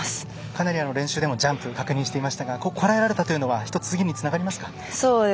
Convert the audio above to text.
かなり練習でも確認してましたがこらえられたというのは次につながりますか？